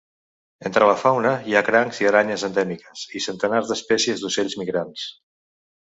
Entre la fauna hi ha crancs i aranyes endèmiques i centenars d’espècies d’ocells migrants.